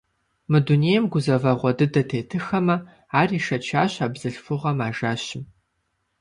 Мы дунейм гузэвэгъуэ дыдэ тетыххэмэ, ар ишэчащ а бзылъхугъэм а жэщым.